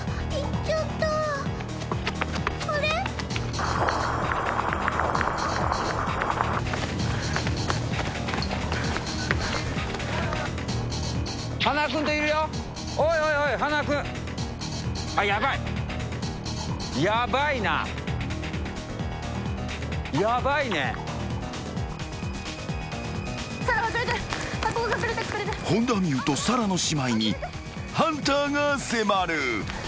［本田望結と紗来の姉妹にハンターが迫る］